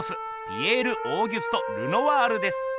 ピエール＝オーギュスト・ルノワールです。